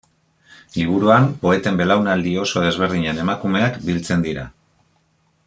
Liburuan poeten belaunaldi oso desberdinen emakumeak biltzen dira.